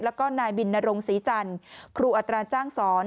แล้วก็นายบินนรงศรีจันทร์ครูอัตราจ้างสอน